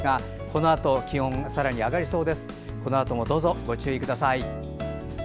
このあともどうぞご注意ください。